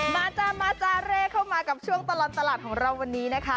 จ้ามาจาเร่เข้ามากับช่วงตลอดตลาดของเราวันนี้นะคะ